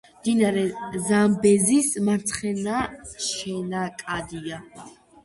მდინარე ზამბეზის მარცხენა შენაკადია.